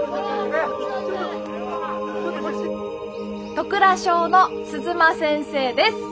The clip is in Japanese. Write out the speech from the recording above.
戸倉小の鈴間先生です！